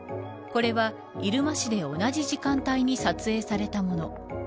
これは入間市で同じ時間帯に撮影されたもの。